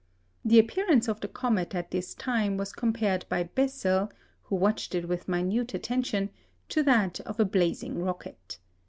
The appearance of the comet at this time was compared by Bessel, who watched it with minute attention, to that of a blazing rocket.